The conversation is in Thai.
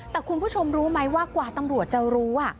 แต่คุณผู้ชมรู้ไหมว่ากว่าตำรวจจะรู้